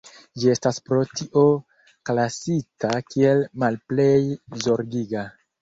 Ĝi estas pro tio klasita kiel "Malplej Zorgiga".